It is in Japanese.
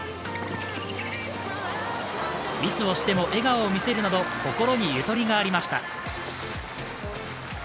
ミスをしても笑顔を見せるなど心にゆとりがありました。